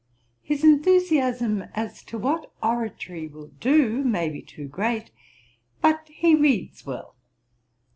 'His enthusiasm as to what oratory will do, may be too great: but he reads well.'